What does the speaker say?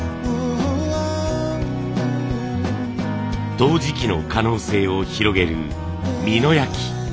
陶磁器の可能性を広げる美濃焼。